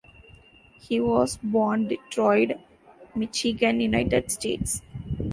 He was born Detroit, Michigan, United States.